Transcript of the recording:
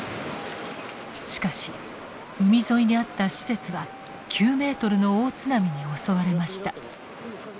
しかし海沿いにあった施設は９ｍの大津波に襲われました。